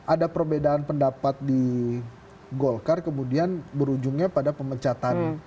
ada perbedaan pendapat di golkar kemudian berujungnya pada pemecatan